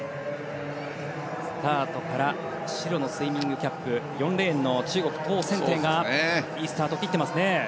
スタートから白のスイミングキャップ４レーンの中国、トウ・センテイがいいスタートを切ってますね。